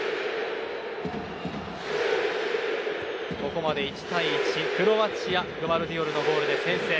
ここまで１対１でクロアチアはグヴァルディオルのゴールで先制。